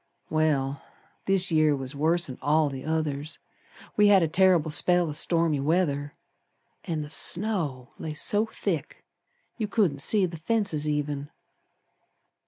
Well, this year was worse'n all the others; We had a terrible spell o' stormy weather, An' the snow lay so thick You couldn't see the fences even.